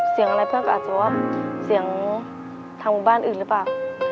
เสียงอะไรเพื่อนก็อาจจะว่าเสียงทางหมู่บ้านอื่นหรือเปล่า